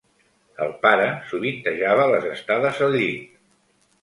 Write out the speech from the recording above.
El pare sovintejava les estades al llit.